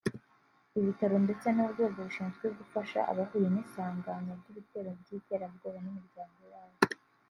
ibitaro ndetse n’urwego rushinzwe gufasha abahuye n’isanganya ry’ibitero by’iterabwoba n’imiryango yabo